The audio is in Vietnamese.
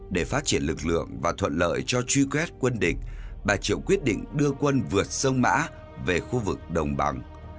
để phát triển lực lượng và thuận lợi cho truy quét quân địch bà triệu quyết định đưa quân vượt sông mã về khu vực đồng bằng